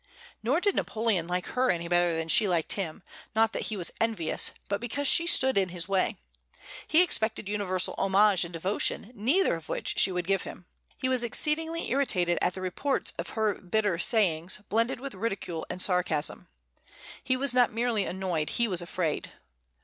Nor did Napoleon like her any better than she liked him, not that he was envious, but because she stood in his way. He expected universal homage and devotion, neither of which would she give him. He was exceedingly irritated at the reports of her bitter sayings, blended with ridicule and sarcasm. He was not merely annoyed, he was afraid.